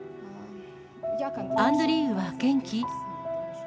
アンドリーウは元気？